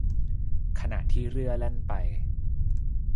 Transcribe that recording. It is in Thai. ขณะที่เรื่อแล่นไป